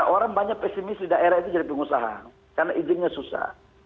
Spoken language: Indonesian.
orang banyak pesimis di daerah itu jadi pengusaha karena izinnya susah